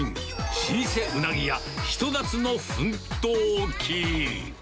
老舗うなぎ屋ひと夏の奮闘記。